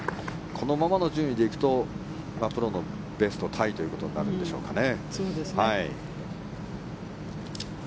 このままの順位で行くとプロのベストタイということになるんでしょうかね。